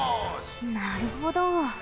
なるほど。